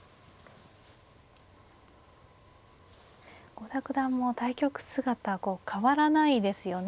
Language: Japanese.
郷田九段も対局姿変わらないですよね